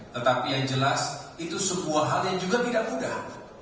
tetapi yang jelas itu sebuah hal yang juga tidak mudah